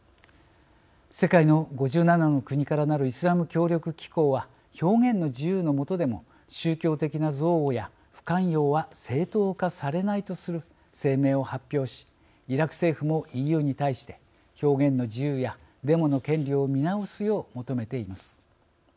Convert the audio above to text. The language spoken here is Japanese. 世界の５７の国からなるイスラム協力機構は表現の自由のもとでも宗教的な憎悪や不寛容は正当化されないとする声明を発表しイラク政府もＥＵに対して表現の自由やデモの権利を見直すよう求めています。